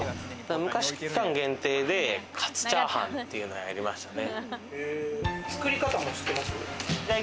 昔、期間限定でカツチャーハンっていうのをやりましたね。